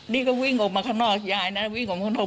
นี่ก็วิ่งออกมาข้างนอกยายนะวิ่งออกมาข้าง